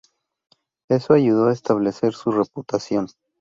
Eso ayudó a establecer su reputación.